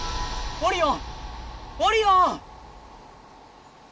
オリオン！